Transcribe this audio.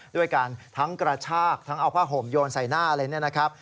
ด้วยการทั้งกระชากทั้งเอาผ้าห่มโยนใส่หน้าอะไรเนี่ยนะครับ